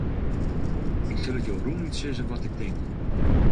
Ik sil it jo rûnút sizze wat ik tink.